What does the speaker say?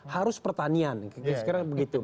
harus pertanian sekarang begitu